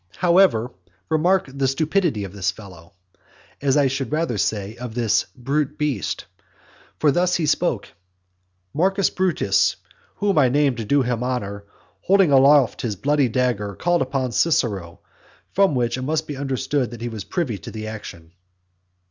However, remark the stupidity of this fellow, I should rather say, of this brute beast. For thus he spoke: "Marcus Brutus, whom I name to do him honour, holding aloft his bloody dagger, called upon Cicero, from which it must be understood that he was privy to the action."